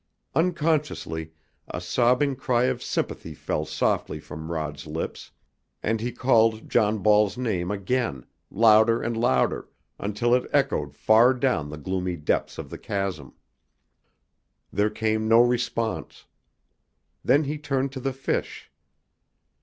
Unconsciously a sobbing cry of sympathy fell softly from Rod's lips, and he called John Ball's name again, louder and louder, until it echoed far down the gloomy depths of the chasm. There came no response. Then he turned to the fish.